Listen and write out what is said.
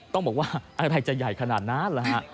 ต้องบอกว่าอะไรจะใหญ่ขนาดนั้นแหละฮะ